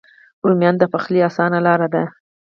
رومیان د پخلي آسانه لاره ده